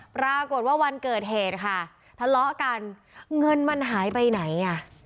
ปรากฏว่าวันเกิดเหตุค่ะทะเลาะกันเงินมันหายไปไหนอ่ะ